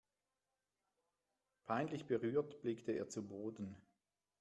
Peinlich berührt blickte er zu Boden.